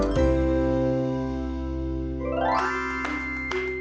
ฝาวชาเหมือนบริการ